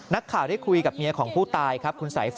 นักข่าวได้คุยกับเมียของผู้ตายครับคุณสายฝน